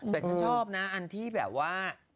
แต่ฉันชอบนะอันที่แบบว่า